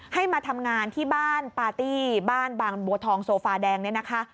ให้มาทำงานที่บ้านปาร์ตี้บ้านบางบัวทองโซฟาแดงเนี่ยนะคะ